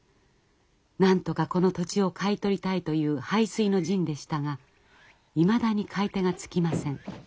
なんとかこの土地を買い取りたいという背水の陣でしたがいまだに買い手がつきません。